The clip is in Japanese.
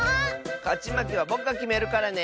かちまけはぼくがきめるからね。